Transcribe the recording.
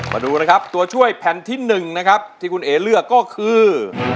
มาดูนะครับตัวช่วยแผ่นที่๑นะครับที่คุณเอ๋เลือกก็คือ